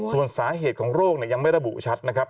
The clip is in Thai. ส่วนสาเหตุของโรคยังไม่ระบุชัดนะครับ